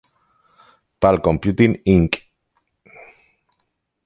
Palm Computing, Inc.